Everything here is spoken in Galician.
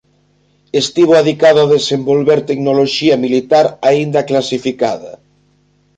Estivo adicado a desenvolver tecnoloxía militar aínda clasificada.